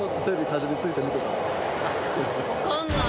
わかんない。